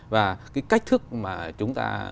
và cái cách thức mà chúng ta